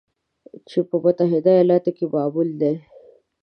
چې په متحده ایالاتو کې معمول دی